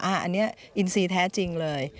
อันนี้อินซีแท้จริงเลย